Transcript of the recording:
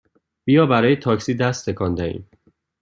بیا برای تاکسی دست تکان دهیم!